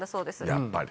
やっぱり。